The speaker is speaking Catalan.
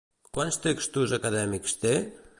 Quants textos acadèmics té?